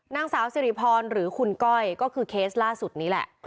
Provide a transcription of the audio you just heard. นางสาวสิริพรหรือคุณก้อยก็คือเคสล่าสุดนี้แหละ